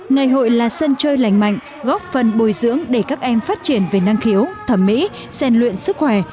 ngày hội là sân chơi lành mạnh góp phần bồi dưỡng để các em phát triển về năng khiếu thẩm mỹ xen luyện sức khỏe